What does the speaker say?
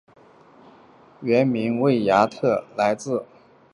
原名维亚特卡来自流经该市的维亚特卡河。